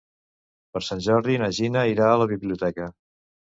Per Sant Jordi na Gina irà a la biblioteca.